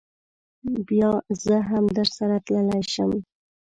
بیا زه هم درسره تللی شم.